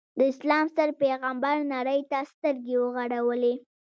د اسلام ستر پیغمبر نړۍ ته سترګې وغړولې.